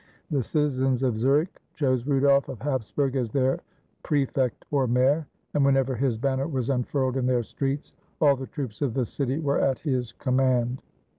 The citizens of Zurich chose Rudolf of Hapsburg as their prefect or mayor; and whenever his banner was unfurled in their streets, all the troops of the city were at his command.